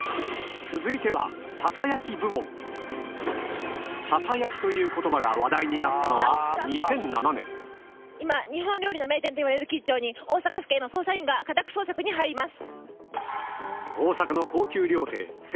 続いてはささやきという言葉が話題になったのは２００７年今日本料理の名店といわれる兆に大阪府警の捜査員が家宅捜索に入ります。